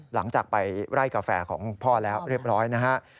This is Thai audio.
หลังจากไปไล่กาแฟของพ่อแล้วเรียบร้อยนะฮะ